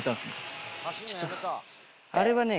あれはね